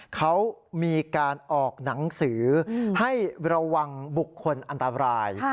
เขามีการออกหนังสือให้ระวังบุคคลอันตราย